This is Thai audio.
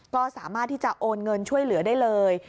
ก็สามารถที่จะโอนเงินช่วยเหลือได้เลย